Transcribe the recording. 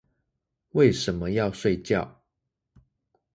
為什麼要睡覺？